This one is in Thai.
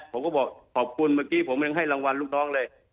ผมก็บอกขอบคุณเมื่อกี้ผมยังให้รางวัลลูกน้องเลย